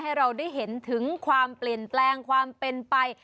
ให้เราได้เห็นถึงความเปลี่ยนแปลงความเป็นไป